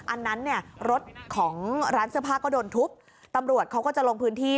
อันนั้นเนี่ยรถของร้านเสื้อผ้าก็โดนทุบตำรวจเขาก็จะลงพื้นที่